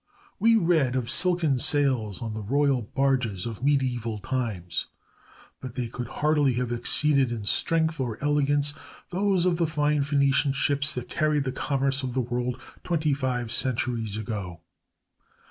We read of silken sails on the royal barges of medieval times, but they could hardly have exceeded in strength or elegance those of the fine Phenician ships that carried the commerce of the world twenty five centuries ago.